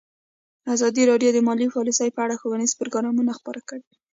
ازادي راډیو د مالي پالیسي په اړه ښوونیز پروګرامونه خپاره کړي.